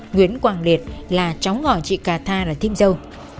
nguyễn hoàng liệt là cháu ngòi chị cà tha là thêm dâu